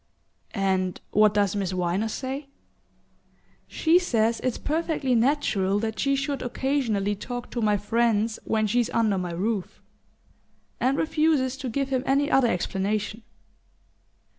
"And what does Miss Viner say?" "She says it's perfectly natural that she should occasionally talk to my friends when she's under my roof and refuses to give him any other explanation."